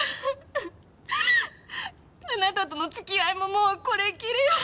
あなたとの付き合いももうこれっきりよ。